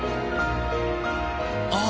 あっ！